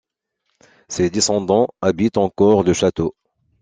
Ses descendants habitent encore le château.